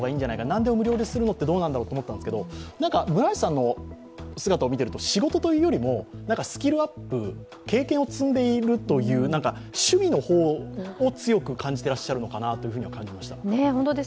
なんでも無料でするのってどうなんだろうと思ったんですけれども、村橋さんの姿を見ていると仕事というよりもスキルアップ、経験を積んでいるという趣味の方を強く感じていらっしゃるのかなと感じました。